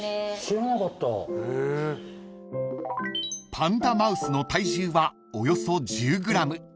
［パンダマウスの体重はおよそ１０ｇ］